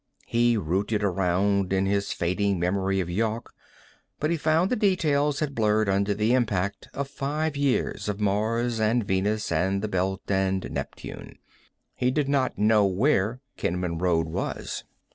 _ He rooted around in his fading memory of Yawk, but he found the details had blurred under the impact of five years of Mars and Venus and the Belt and Neptune. He did not know where Kenman Road was.